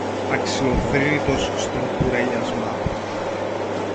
αξιοθρήνητος στον κουρέλιασμα του.